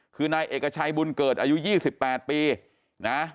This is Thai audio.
คือนายเอกชัยบุญเกิดอายุยี่สิบแปดปีนะฮะ